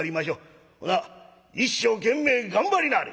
ほな一生懸命頑張りなはれ！」。